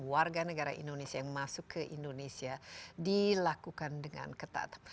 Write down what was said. warga negara indonesia yang masuk ke indonesia dilakukan dengan ketat